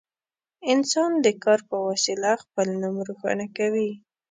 انسان د کار په وسیله خپل نوم روښانه کوي.